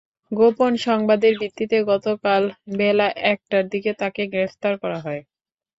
গোপন সংবাদের ভিত্তিতে গতকাল বেলা একটার দিকে তাঁকে গ্রেপ্তার করা হয়।